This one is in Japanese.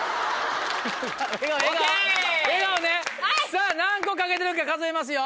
さぁ何個かけてるか数えますよ。